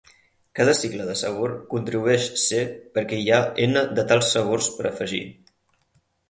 Cada cicle de sabor contribueix C perquè hi ha N de tals sabors per afegir.